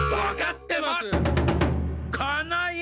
わかってます！